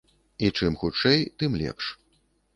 І чым хутчэй, тым лепш.